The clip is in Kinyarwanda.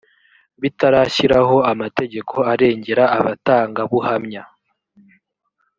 bitarashyiraho amategeko arengera abatanga buhamya